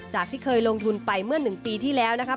ที่เคยลงทุนไปเมื่อ๑ปีที่แล้วนะครับ